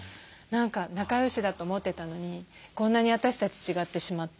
仲よしだと思ってたのにこんなに私たち違ってしまった。